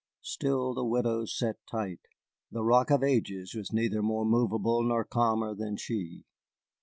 Still the widow sat tight. The Rock of Ages was neither more movable nor calmer than she.